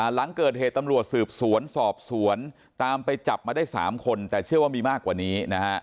หลังเกิดเหตุตำรวจสืบสวนสอบสวนตามไปจับมาได้๓คนแต่เชื่อว่ามีมากกว่านี้นะฮะ